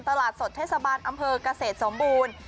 ตลาดสดเทศบาลอำเภอกเกษตรสมบูรณ์